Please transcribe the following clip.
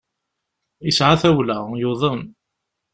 Yesɛa tawla, yuḍen.